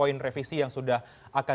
ada sebelas point revisi yang sudah akan